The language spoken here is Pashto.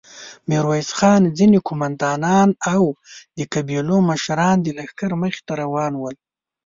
ميرويس خان، ځينې قوماندانان او د قبيلو مشران د لښکر مخې ته روان ول.